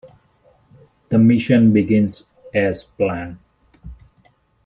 The mission begins as planned.